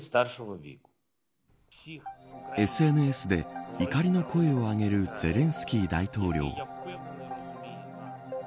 ＳＮＳで怒りの声を上げるゼレンスキー大統領。